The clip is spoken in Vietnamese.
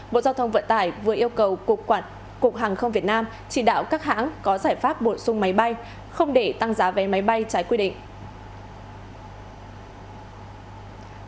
bộ giao thông vận tải vừa yêu cầu cục hàng không việt nam chỉ đạo các hãng có giải pháp bổ sung máy bay không để tăng giá vé máy bay trái quy định